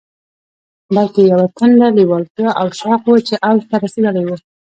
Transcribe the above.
بلکې يوه تنده، لېوالتیا او شوق و چې اوج ته رسېدلی و.